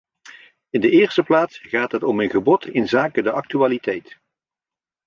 In de eerste plaats gaat het om een gebod inzake de actualiteit.